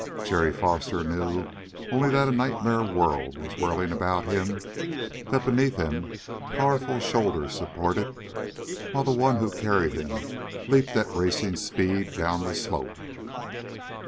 Jerry Foster knew only that a nightmare world was whirling about him; that beneath him powerful shoulders supported, while the one who carried him leaped at racing speed down the slope.